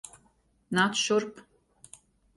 Nāc šurp.